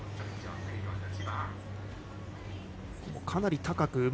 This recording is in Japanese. かなり高く。